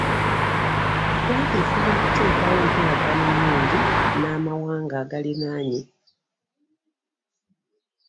Uganda effuba okutekawo enkolagana ennungi na mawanga agagiliranye.